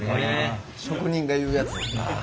職人が言うやつ。